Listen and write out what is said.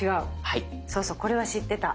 そうそうこれは知ってた。